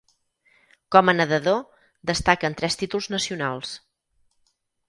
Com a nedador destaquen tres títols nacionals.